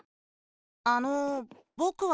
あのぼくは。